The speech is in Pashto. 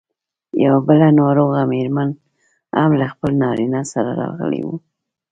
یوه بله ناروغه مېرمن هم له خپل نارینه سره راغلې وه.